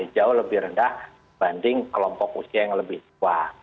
jauh lebih rendah dibanding kelompok usia yang lebih tua